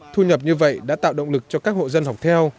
thu nhập như vậy đã tạo động lực cho các hộ dân học theo